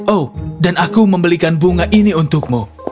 oh dan aku membelikan bunga ini untukmu